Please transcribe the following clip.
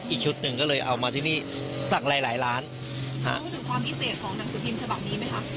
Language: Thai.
อีกชุดหนึ่งก็เลยเอามาที่นี่สักหลายหลายล้านพูดถึงความพิเศษของหนังสือพิมพ์ฉบับนี้ไหมคะ